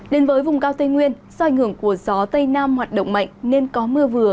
đến với vùng cao tây nguyên do ảnh hưởng của gió tây nam hoạt động mạnh nên có mưa vừa